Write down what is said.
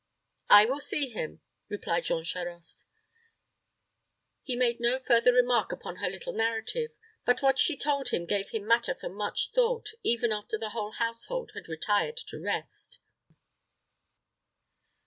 "I will see him," replied Jean Charost. He made no further remark upon her little narrative; but what she told him gave him matter for much thought, even after the whole household had retired to rest.